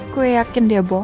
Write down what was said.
gue yakin dia bohong